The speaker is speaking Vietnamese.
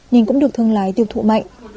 nên cũng được thương lái tiêu thụ mạnh